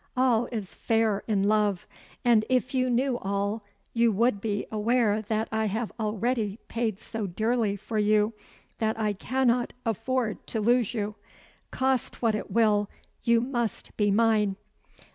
All is fair in love. And if you knew all, you would be aware that I have already paid so dearly for you that I cannot afford to lose you. Cost what it will, you must be mine."